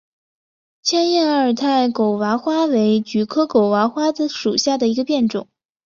千叶阿尔泰狗娃花为菊科狗哇花属下的一个变种。